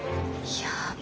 やば。